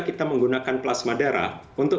kita menggunakan plasma darah untuk